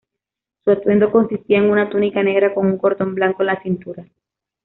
Su atuendo consistía en una túnica negra, con un cordón blanco en la cintura.